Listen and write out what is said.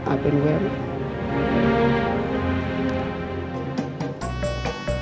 apa yang gua lakuin